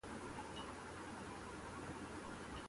There were reports of power outages in Aguas Buenas and Caguas.